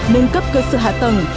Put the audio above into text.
nâng cấp cơ sở hạ tầng